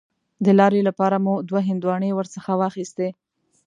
د لارې لپاره مو دوه هندواڼې ورڅخه واخیستې.